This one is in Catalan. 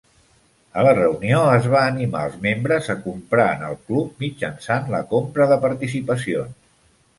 A la reunió es va animar els membres a comprar en el club, mitjançant la compra de participacions.